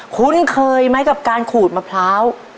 คุ้นเคยไหมกับการขูดมะพร้าว